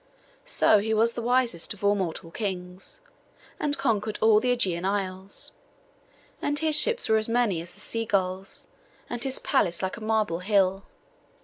So he was the wisest of all mortal kings, and conquered all the Ægean isles; and his ships were as many as the sea gulls, and his palace like a marble hill.